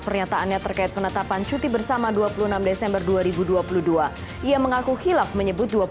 pernyataannya terkait penetapan cuti bersama dua puluh enam desember dua ribu dua puluh dua ia mengaku hilaf menyebut